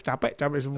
capek capek semua